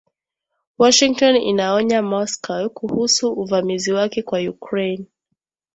Washington inaionya Moscow kuhusu uvamizi wake kwa Ukraine